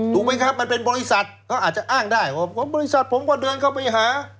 ถูกไหมครับมันเป็นบริษัทเขาอาจจะอ้างได้ว่าบริษัทผมก็เดินเข้าไปหา